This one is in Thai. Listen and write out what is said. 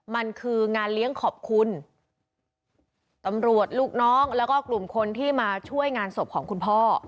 มันคืองานเลี้ยงขอบคุณตำรวจลูกน้องแล้วก็กลุ่มคนที่มาช่วยงานศพของคุณพ่อ